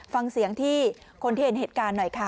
ฟังเสียงที่คนที่เห็นเหตุการณ์หน่อยค่ะ